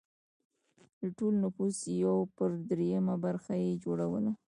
د ټول نفوس یو پر درېیمه برخه یې جوړوله.